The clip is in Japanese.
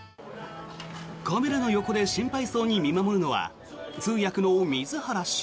カメラの横で心配そうに見守るのは通訳の水原氏。